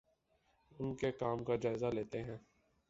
اُن کے کام کا جائزہ لیتے ہیں